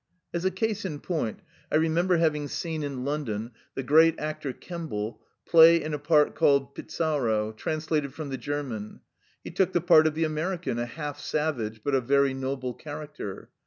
As a case in point, I remember having seen in London the great actor Kemble play in a piece called Pizarro, translated from the German. He took the part of the American, a half savage, but of very noble character.